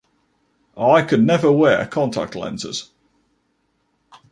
I could never wear contact lenses.